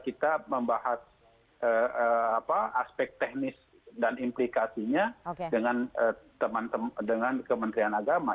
kita membahas aspek teknis dan implikasinya dengan kementerian agama